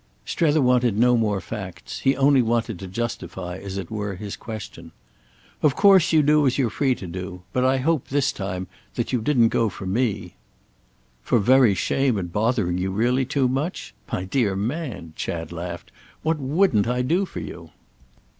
Strether wanted no more facts—he only wanted to justify, as it were, his question. "Of course you do as you're free to do. But I hope, this time, that you didn't go for me." "For very shame at bothering you really too much? My dear man," Chad laughed, "what wouldn't I do for you?"